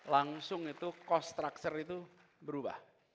langsung itu cost structure itu berubah